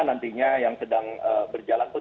nantinya yang sedang berjalan pun